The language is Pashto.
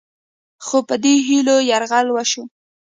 خو په دې هیلو یرغل وشو